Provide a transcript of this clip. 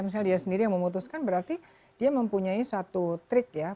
misalnya dia sendiri yang memutuskan berarti dia mempunyai suatu trik ya